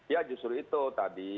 ya justru itu tadi